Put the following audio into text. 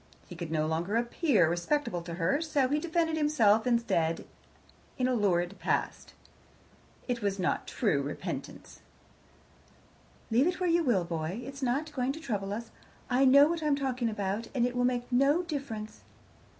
He could no longer appear respectable to her, so he defended himself instead in a lurid past. It was not true repentance. "Leave it where you will, boy. It's not going to trouble us: I know what I'm talking about, and it will make no difference."